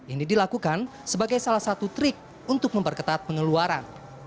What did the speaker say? ini dilakukan sebagai salah satu trik untuk memperketat pengeluaran